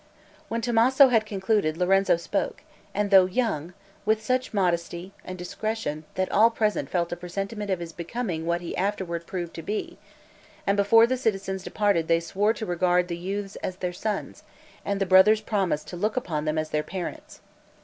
When Tommaso had concluded, Lorenzo spoke, and, though young, with such modesty and discretion that all present felt a presentiment of his becoming what he afterward proved to be; and before the citizens departed they swore to regard the youths as their sons, and the brothers promised to look upon them as their parents.